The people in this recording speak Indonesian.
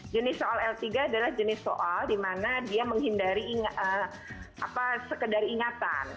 jenis soal l tiga adalah jenis soal di mana dia menghindari sekedar ingatan